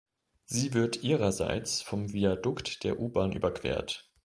Sie wird ihrerseits vom Viadukt der U-Bahn überquert.